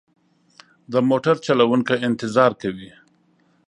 د موټر چلوونکی انتظار کوي.